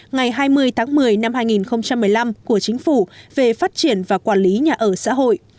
ngày hai mươi tháng một mươi năm hai nghìn một mươi năm của chính phủ về phát triển và quản lý nhà ở xã hội